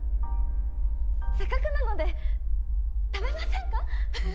せっかくなので食べませんか？